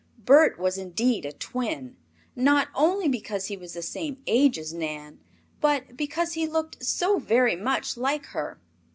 Bert was indeed a twin, not only because he was the same age as Nan, but because he looked so very much like her.